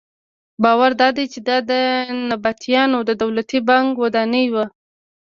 باور دادی چې دا د نبطیانو د دولتي بانک ودانۍ وه.